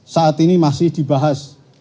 saat ini masih dibahas